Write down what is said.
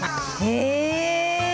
へえ！